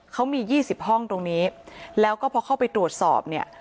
เขามียี่สิบห้องตรงนี้แล้วก็พอเข้าไปตรวจสอบเนี่ย